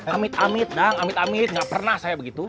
amit amit dang amit amit nggak pernah saya begitu